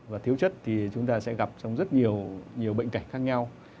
và thiếu chất thì chúng ta sẽ gặp trong rất nhiều nhiều bệnh cảnh khác nhau